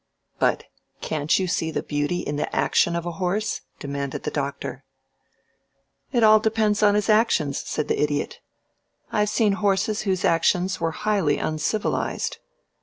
"But can't you see the beauty in the action of a horse?" demanded the Doctor. "It all depends on his actions," said the Idiot. "I've seen horses whose actions were highly uncivilized."